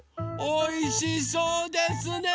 おいしそうですね。